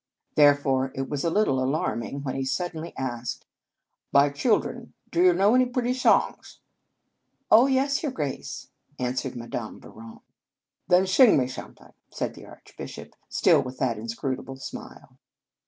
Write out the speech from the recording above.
Therefore it was a little alarming when he sud denly asked :" My children, do you know any pretty songs ?" "Oh, yes, your Grace," answered Madame Bouron. " Then sing me something now," said the Archbishop, still with that inscrutable smile.